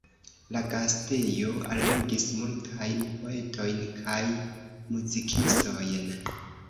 La gastejo allogis multajn poetojn kaj muzikistojn.